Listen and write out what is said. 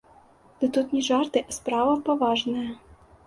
Ды тут не жарты, а справа паважная!